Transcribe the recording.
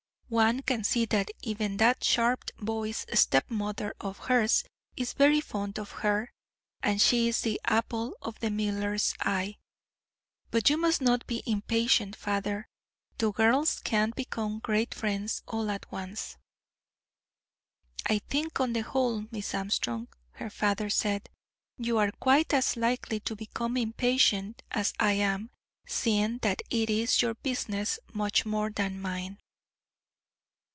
One can see that even that sharp voiced stepmother of hers is very fond of her, and she is the apple of the miller's eye. But you must not be impatient, father; two girls can't become great friends all at once." "I think, on the whole, Miss Armstrong," her father said, "you are quite as likely to become impatient as I am, seeing that it is your business much more than mine."